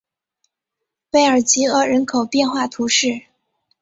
贝尔济厄人口变化图示